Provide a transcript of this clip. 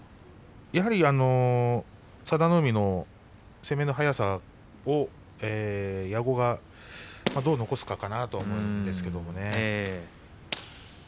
やはり佐田の海の攻めの速さを矢後がどう起こすかかなと思うんですけれどもね。